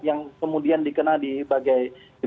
yang kemudian dikenal di